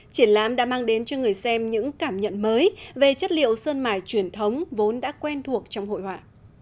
triển lãm đã mang đến cho người xem những cảm nhận mới về chất liệu sơn mải truyền thống vốn đã quen thuộc trong hội họa